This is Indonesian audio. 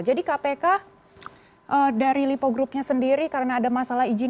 jadi kpk dari lipo groupnya sendiri karena ada masalah izin ini